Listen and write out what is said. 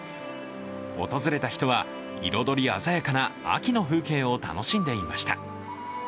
訪れた人は、彩り鮮やかな秋の風景を楽しんでいました。